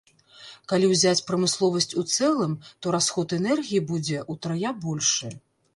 Калі ўзяць прамысловасць у цэлым, то расход энергіі будзе утрая большы.